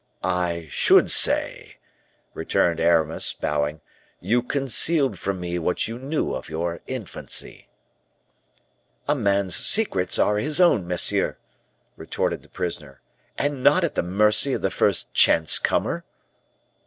"I should say," returned Aramis, bowing, "you concealed from me what you knew of your infancy." "A man's secrets are his own, monsieur," retorted the prisoner, "and not at the mercy of the first chance comer."